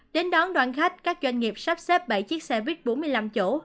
đến đón đoàn khách các doanh nghiệp sắp xếp bảy chiếc xe buýt bốn mươi năm chỗ